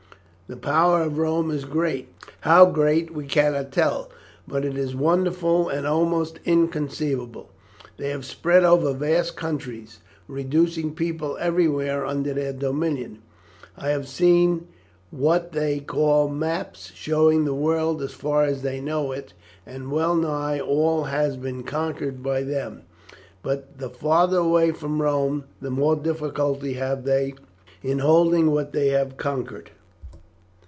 The power of Rome is great; how great we cannot tell, but it is wonderful and almost inconceivable. They have spread over vast countries, reducing peoples everywhere under their dominion. I have seen what they call maps showing the world as far as they know it, and well nigh all has been conquered by them; but the farther away from Rome the more difficulty have they in holding what they have conquered.